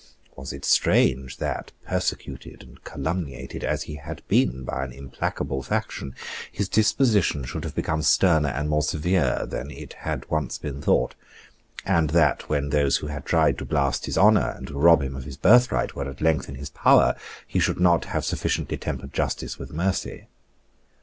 Was it strange that, persecuted and calumniated as he had been by an implacable faction, his disposition should have become sterner and more severe than it had once been thought, and that, when those who had tried to blast his honour and to rob him of his birthright were at length in his power, he should not have sufficiently tempered justice with mercy?